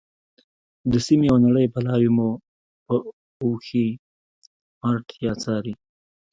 د سیمې او نړۍ بلاوې مو په اوښیártیا څاري.